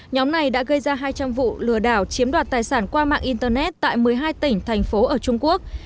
nhóm này đã gây ra hai trăm linh vụ lừa đảo chiếm đoạt tài sản qua mạng internet tại một mươi hai tỉnh thành phố ở trung quốc